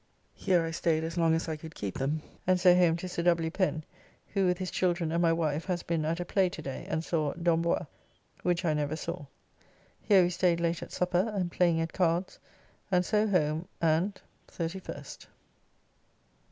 Mere I staid as long as I could keep them, and so home to Sir W. Pen, who with his children and my wife has been at a play to day and saw "D'Ambois," which I never saw. Here we staid late at supper and playing at cards, and so home and 31st.